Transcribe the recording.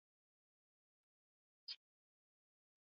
moja gram hamsini Sukari kikombe cha chai moja